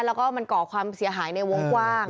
แล้วก็มันก่อความเสียหายในวงกว้าง